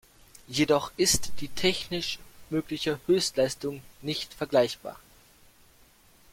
Jedoch ist die technisch mögliche Höchstleistung nicht vergleichbar.